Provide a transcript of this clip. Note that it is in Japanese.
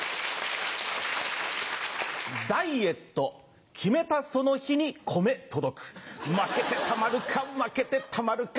ダイエット決めたその日に米届く負けてたまるか負けてたまるか。